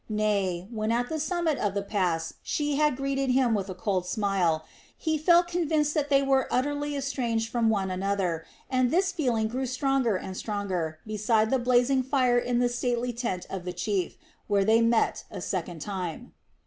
Nay, when at the summit of the pass she had greeted him with a cold smile, he felt convinced that they were utterly estranged from one another, and this feeling grew stronger and stronger beside the blazing fire in the stately tent of the chief, where they met a second time.